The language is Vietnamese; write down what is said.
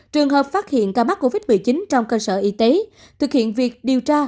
trường hợp phát hiện ca mắc covid một mươi chín trong cơ sở y tế thực hiện việc điều tra